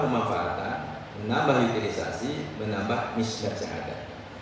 pemanfaatan menambah utilisasi menambah misi yang seharusnya ada